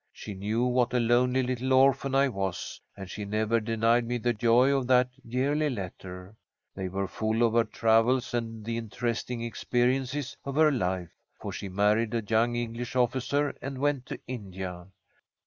She knew what a lonely little orphan I was, and she never denied me the joy of that yearly letter. They were full of her travels and the interesting experiences of her life, for she married a young English officer and went to India.